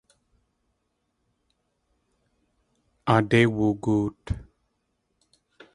Aadé woogoot.